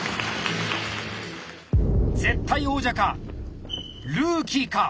絶対王者かルーキーか。